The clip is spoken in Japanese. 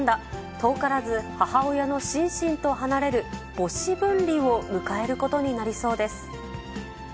遠からず、母親のシンシンと離れる母子分離を迎えることになりそうです。